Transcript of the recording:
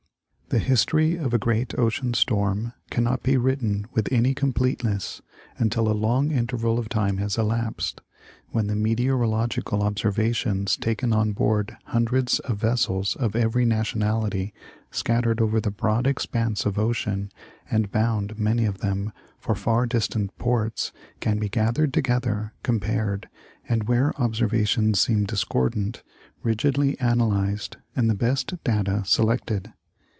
The history of a great ocean storm cannot be written with any completeness until a long interval of time has elapsed, when the meteorological observations taken on board hundreds of vessels of every nationality, scattered over the broad expanse of ocean, and bound, many of them, for far distant ports, can be gathered together, compared, and, where observations seem dis cordant, rigidly analyzed and the best data selected.